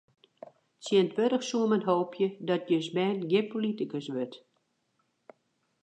Tsjintwurdich soe men hoopje dat jins bern gjin politikus wurdt.